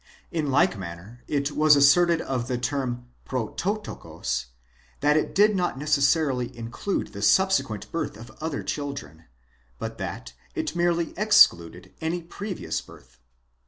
In like manner it was asserted of the term πρωτό toxos, that it did not necessarily include the subsequent birth of other children, but that it merely excluded any previous birth.